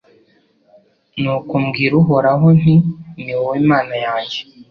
Nuko mbwira Uhoraho nti Ni wowe Imana yanjye